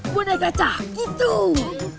boneka caki tuh